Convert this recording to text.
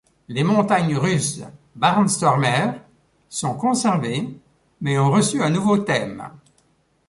Les montagnes russes Barnstormer sont conservées mais ont reçu un nouveau thème.